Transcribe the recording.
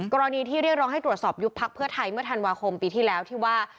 กรณีที่เรียกร้องให้ตรวจสอบยุบพักเพื่อไทยเมื่อธันวาคมปีที่แล้วที่ว่า